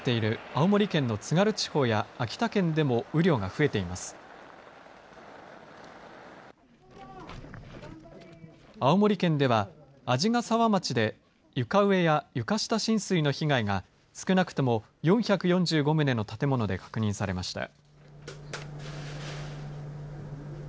青森県では鰺ヶ沢町で床上や床下浸水の被害が少なくとも４４５棟の建物で確認されました。